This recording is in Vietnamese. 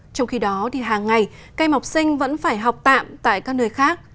trong khi đó hàng ngày cây mọc sinh vẫn phải học tạm tại các nơi khác